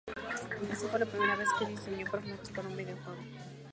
Esta fue la primera vez que diseñó personajes para un videojuego.